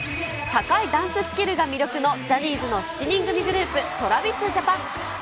高いダンススキルが魅力のジャニーズの７人組グループ、トラビス・ジャパン。